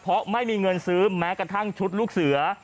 เพราะไม่มีเงินซื้อแม้กระทั่งชุดลูกเสือ